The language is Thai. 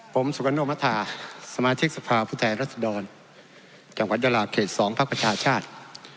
ผมสุกระโนมธาสมาธิกษภาพุทธรรษฎรจังหวัดยาลาวเขต๒ภาคประชาชาติ